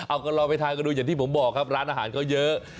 เอาก็ลองไปทานกันดูอย่างที่ผมบอกครับร้านอาหารเขาเยอะ